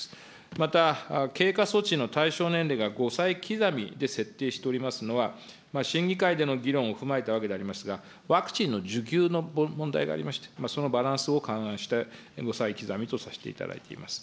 また、経過措置の対象年齢が５歳刻みで設定しておりますのは、審議会での議論を踏まえたわけでありますが、ワクチンの需給の問題がありまして、そのバランスを勘案して５歳刻みとさせていただいております。